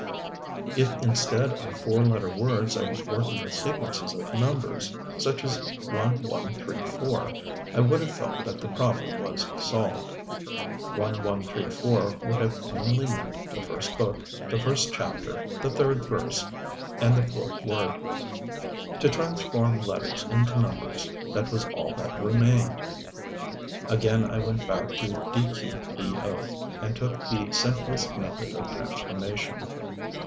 If instead of four letter words I was working with sequences of numbers such as "1, 1, 3, 4" I would have felt that the problem was solved. "1, 1, 3, 4" would have plainly meant the first book, the first chapter, the third verse, and the fourth word. To transform letters into numbers that was all that remained. Again I went back to "dqbo" and took the simplest method of transformation.